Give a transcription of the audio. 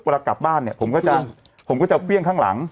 เวลากลับบ้านเนี่ยผมก็จะผมก็จะเฟี่ยงข้างหลัง